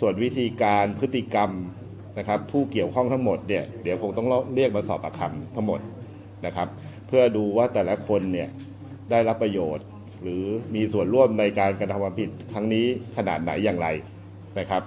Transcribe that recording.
ส่วนวิธีการพฤติกรรมนะครับผู้เกี่ยวข้องทั้งหมดเนี่ยเดี๋ยวคงต้องเรียกมาสอบประคำทั้งหมดนะครับเพื่อดูว่าแต่ละคนเนี่ยได้รับประโยชน์หรือมีส่วนร่วมในการกระทำความผิดครั้งนี้ขนาดไหนอย่างไรนะครับ